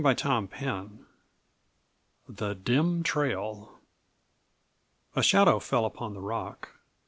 CHAPTER XVIII THE DIM TRAIL. A shadow fell upon the rock.